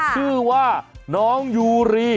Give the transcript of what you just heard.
ชื่อว่าน้องยูรี